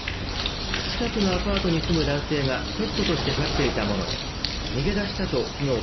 近くのアパートに住む男性がペットとして飼っていたもので逃げ出したときのう